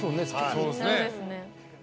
そうですね。